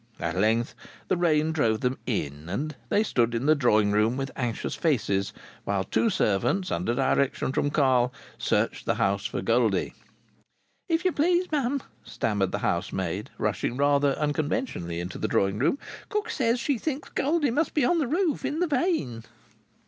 At length the rain drove them in and they stood in the drawing room with anxious faces, while two servants, under directions from Carl, searched the house for Goldie. "If you please'm," stammered the housemaid, rushing rather unconventionally into the drawing room, "cook says she thinks Goldie must be on the roof, in the vane."